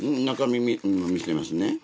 中身今見せますね。